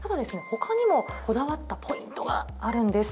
他にもこだわったポイントがあるんです。